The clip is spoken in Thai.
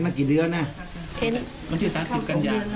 ไม่หัก